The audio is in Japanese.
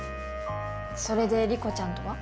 それで理子ちゃんとは？